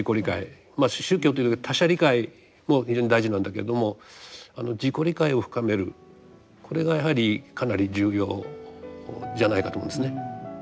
まあ宗教という他者理解も非常に大事なんだけれども自己理解を深めるこれがやはりかなり重要じゃないかと思うんですね。